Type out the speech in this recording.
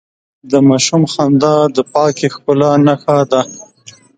د ماشوم خندا د پاکې ښکلا نښه ده.